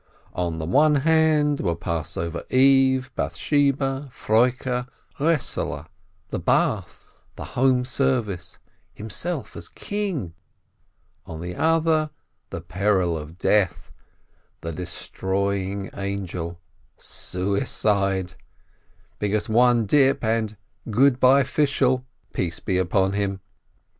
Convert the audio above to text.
On the one hand were Passover Eve, Bath sheba, Froike, Resele, the bath, the home service, himself as king; on the other, peril of death, the Destroying Angel, suicide — because one dip and — good by, Fishel, peace be upon him